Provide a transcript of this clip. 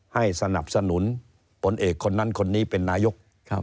ให้สนับสนุนผลเอกคนนั้นคนนี้เป็นนายก